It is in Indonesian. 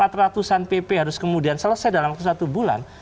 kalau di sandra pp harus kemudian selesai dalam waktu satu bulan